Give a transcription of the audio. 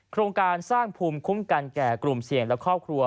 โครงการสร้างภูมิคุ้มกันแก่กลุ่มเสี่ยงและครอบครัว